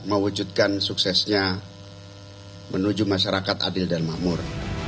mau wujudkan suksesnya menuju masyarakat adil dan mamur